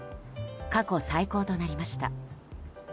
過去最高となりました。